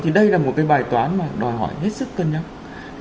thì đây là một cái bài toán mà đòi hỏi hết sức cân nhắc